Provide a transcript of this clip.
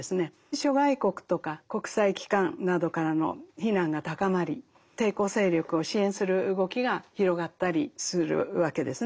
諸外国とか国際機関などからの非難が高まり抵抗勢力を支援する動きが広がったりするわけですね。